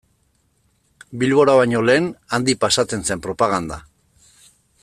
Bilbora baino lehen, handik pasatzen zen propaganda.